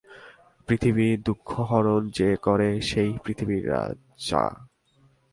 পৃথিবীর দুঃখহরণ যে করে সেই পৃথিবীর রাজা।